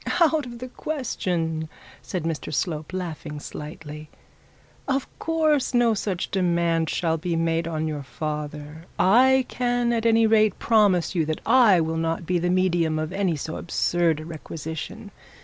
'Out of the question,' said Mr Slope, laughing slightly; 'of course no such demand shall be made on your father. I can at any rate promise you that I will not be the medium of any so absurd a requisition.